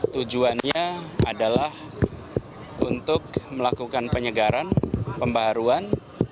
tujuannya adalah untuk melakukan penyegaran pembaruan